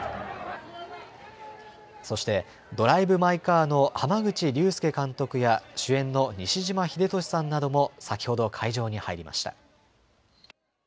そしてドライブ・マイ・カーの濱口竜介監督や主演の西島秀俊さんなども先ほど会場に入りました。